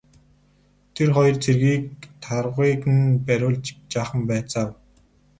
Тэр хоёр цэргийг тарвагыг нь бариулж жаахан байцаав.